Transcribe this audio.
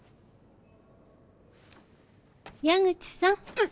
矢口さん。